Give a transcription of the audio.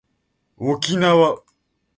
沖縄